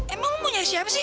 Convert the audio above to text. emang mempunyai siapa sih